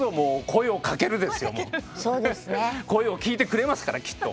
声を聴いてくれますから、きっと。